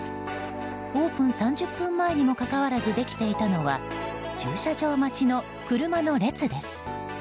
オープン３０分前にもかかわらずできていたのは駐車場待ちの車の列です。